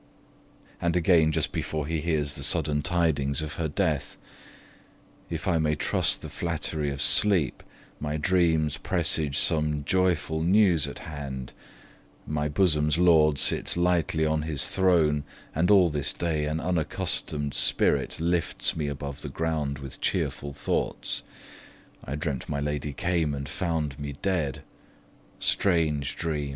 And again, just before he hears the sudden tidings of her death: If I may trust the flattery of sleep, My dreams presage some joyful news at hand; My bosom's lord sits lightly on his throne, And all this day an unaccustom'd spirit Lifts me above the ground with cheerful thoughts. I dreamt my lady came and found me dead, (Strange dream!